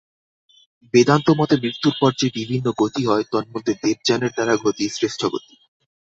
বেদান্তমতে মৃত্যুর পর যে বিভিন্ন গতি হয়, তন্মধ্যে দেবযানের দ্বারা গতি শ্রেষ্ঠ গতি।